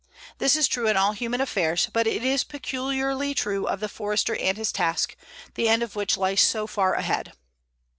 This is true in all human affairs, but it is peculiarly true of the Forester and his task, the end of which lies so far ahead.